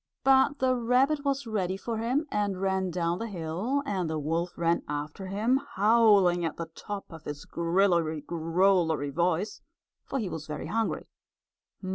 But the rabbit was ready for him and ran down the hill and the wolf ran after him, howling at the top of his grillery growlery voice, for he was very hungry.